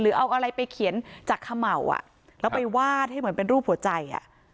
เอาอะไรไปเขียนจากเขม่าแล้วไปวาดให้เหมือนเป็นรูปหัวใจ